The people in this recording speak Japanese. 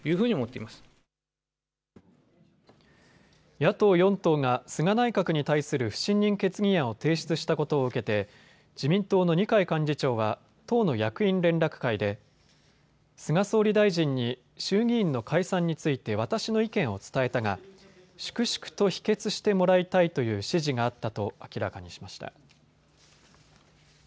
野党４党が菅内閣に対する不信任決議案を提出したことを受けて自民党の二階幹事長は党の役員連絡会で菅総理大臣に、衆議院の解散について私の意見を伝えたが粛々と否決してもらいたいという指示があったと明らかにしました。